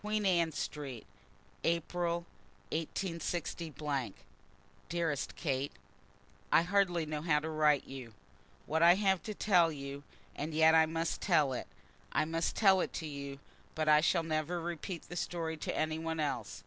Queen Anne Street, April, 186 . DEAREST KATE, I hardly know how to write to you what I have to tell, and yet I must tell it. I must tell it to you, but I shall never repeat the story to any one else.